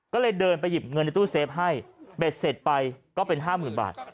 ก็เลยเดินไปหยิบเงินในตู้เซฟให้เบ็ดเสร็จไปก็เป็น๕๐๐๐บาท